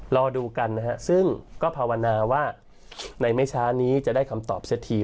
รอดูกันนะฮะซึ่งก็ภาวนาว่าในไม่ช้านี้จะได้คำตอบเสียที